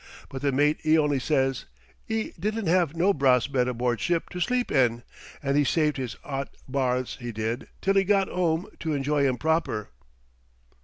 But the mate 'e only says 'e didn't have no brahss bed aboard ship to sleep in, and he saved his 'ot barths, he did,'til he got 'ome to enjoy 'em proper.